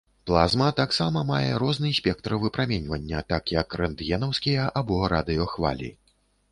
Плазма таксама мае розны спектр выпраменьвання, такі як рэнтгенаўскія або радыёхвалі.